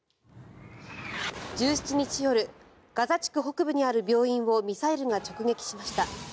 １７日夜ガザ地区北部にある病院をミサイルが直撃しました。